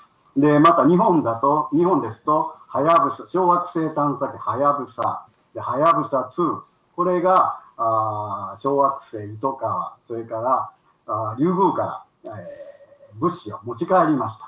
また日本ですと、小惑星探査機はやぶさ、はやぶさ２、これが小惑星とか、それからリュウグウから物資を持ち帰りました。